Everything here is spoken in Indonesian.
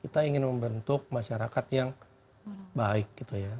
kita ingin membentuk masyarakat yang baik gitu ya